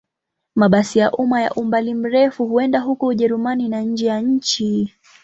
Mabasi ya umma ya umbali mrefu huenda huko Ujerumani na nje ya nchi.